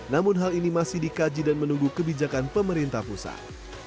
namun hal ini masih dikaji dan menunggu kebijakan pemerintah pusat